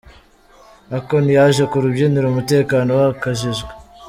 Akon yaje ku rubyiniro umutekano wakajijwe.